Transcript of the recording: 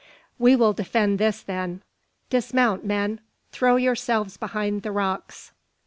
"We will defend this, then. Dismount, men! Throw yourselves behind the rocks!"